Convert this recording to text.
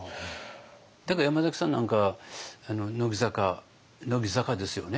だから山崎さんなんかあの乃木坂乃木坂ですよね？